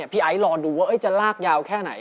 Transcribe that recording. ไอ้รอดูว่าจะลากยาวแค่ไหน